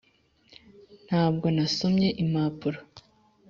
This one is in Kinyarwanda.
] ntabwo nasomye impapuro,.